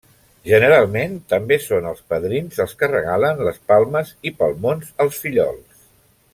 Generalment també són els padrins els que regalen les palmes i palmons als fillols.